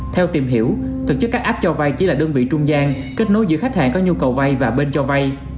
theo tìm hiểu thực chất các app cho vay chỉ là đơn vị trung gian kết nối giữa khách hàng có nhu cầu vay và bên cho vay